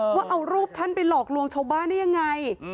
ว่าเอารูปท่านไปหลอกลวงชาวบ้านได้ยังไง